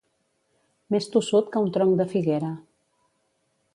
Més tossut que un tronc de figuera.